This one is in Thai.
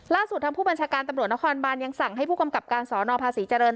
ทางผู้บัญชาการตำรวจนครบานยังสั่งให้ผู้กำกับการสนภาษีเจริญ